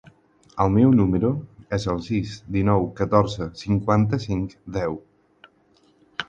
El meu número es el sis, dinou, catorze, cinquanta-cinc, deu.